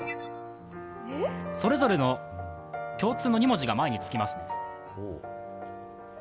それぞれの共通の２文字が前につきます。